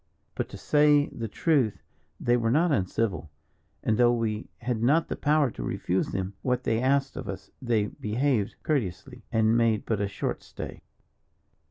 "But to say the truth, they were not uncivil, and though we had not the power to refuse them what they asked of us, they behaved courteously, and made but a short stay."